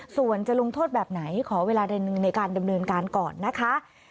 ส่วนจะลงโทษแบบไหนขอเวลาใดหนึ่งในการดำเนินการก่อนนะคะ